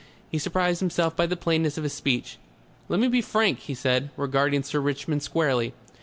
He surprised himself by the plainness of his speech. "Let me be frank," he said, regarding Sir Richmond squarely.